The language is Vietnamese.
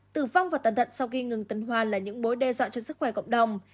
tử vong và tần thận sau khi ngưng tần hoa là những bối đe dọa cho sức khỏe cộng đồng